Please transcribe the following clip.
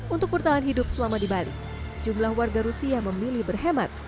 untuk bertahan hidup selama di bali sejumlah warga rusia memilih berhemat